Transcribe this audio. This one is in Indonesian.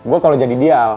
gue kalo jadi dia al